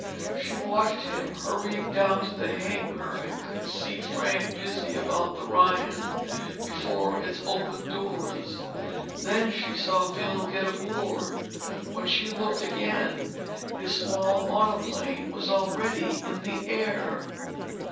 She watched him hurry down to the hangar and could see Frank busy about the Ryan before its open doors. Then she saw Bill get aboard. When she looked again, his small monoplane was already in the air.